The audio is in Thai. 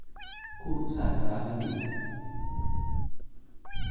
คุรุศาสตรบัณฑิต